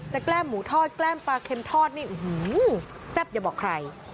แกล้มหมูทอดแกล้มปลาเข็มทอดนี่แซ่บอย่าบอกใคร